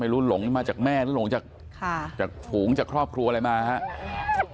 ไม่รู้หลงมาจากแม่หรือหลงจากหุงจากครอบครัวอะไรมาฮะ